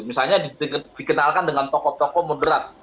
misalnya dikenalkan dengan tokoh tokoh moderat